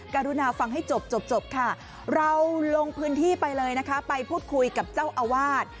การุนาฟฟังให้จบเราลงพื้นที่ไปเลยไปพูดคุยกับเจ้าอาวาส